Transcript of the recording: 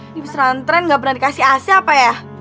ini bisa rantren gak pernah dikasih ac apa ya